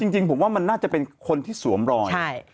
จริงผมว่ามันน่าจะเป็นคนที่สวมรอย